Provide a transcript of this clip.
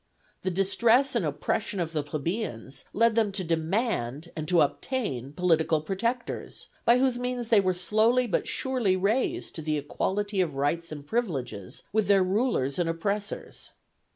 The distress and oppression of the plebeians led them to demand and to obtain political protectors, by whose means they were slowly but surely raised to equality of rights and privileges with their rulers and oppressors.